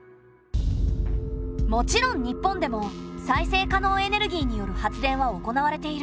もちろん日本でも再生可能エネルギーによる発電は行われている。